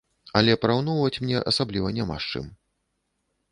Але параўноўваць мне асабліва няма з чым.